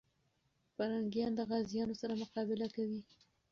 پرنګیان د غازيانو سره مقابله کوي.